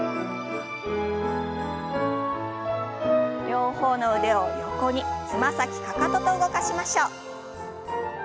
両方の腕を横につま先かかとと動かしましょう。